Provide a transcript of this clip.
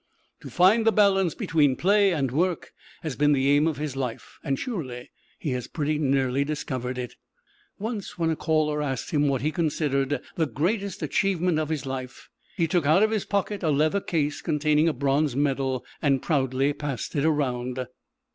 To find the balance between play and work has been the aim of his life; and surely, he has pretty nearly discovered it. Once when a caller asked him what he considered the greatest achievement of his life, he took out of his pocket a leather case containing a bronze medal, and proudly passed it around.